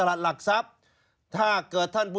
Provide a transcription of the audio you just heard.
ชีวิตกระมวลวิสิทธิ์สุภาณฑ์